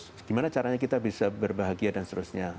bagaimana caranya kita bisa berbahagia dan seterusnya